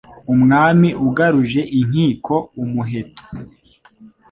Umwami ugaruje inkiko umuheto